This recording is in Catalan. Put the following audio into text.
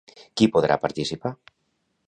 Qui hi podrà participar?